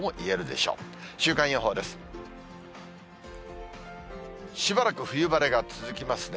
しばらく冬晴れが続きますね。